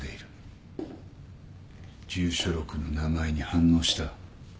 住所録の名前に反応した。